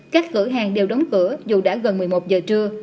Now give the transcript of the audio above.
các cửa hàng đều đóng cửa dù đã gần một mươi một giờ trưa